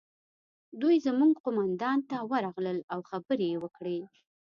دوی زموږ قومندان ته ورغلل او خبرې یې وکړې